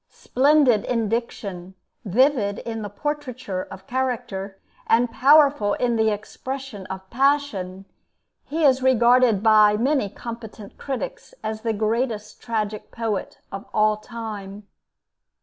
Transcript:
Splendid in diction, vivid in the portraiture of character, and powerful in the expression of passion, he is regarded by many competent critics as the greatest tragic poet of all time.